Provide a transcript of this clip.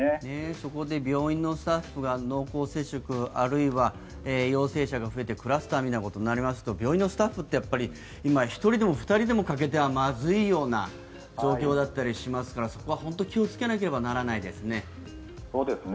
そこで病院のスタッフが濃厚接触、あるいは陽性者が増えてクラスターみたいなことになると病院のスタッフって１人でも２人でも欠けてはまずい状況ですからそこは本当に気をつけなければならないですね。